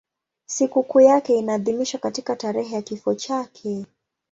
Sikukuu yake inaadhimishwa katika tarehe ya kifo chake.